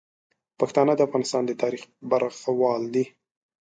پښتانه د افغانستان د تاریخ برخوال دي.